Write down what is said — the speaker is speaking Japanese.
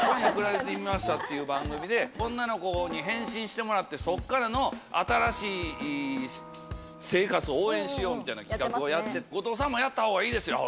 『今夜くらべてみました』っていう番組で女の子に変身してもらって、そこからの新しい生活を応援しようという企画をやってて、「後藤さんもやったほうがいいですよ」。